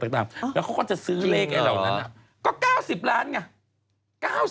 ก็กำลังจะซื้อเลขไอ้เขาก็๙๐ล้านเหงะ